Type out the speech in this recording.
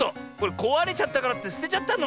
こわれちゃったからってすてちゃったの？